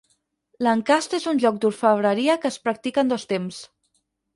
L'encast és un joc d'orfebreria que es practica en dos temps.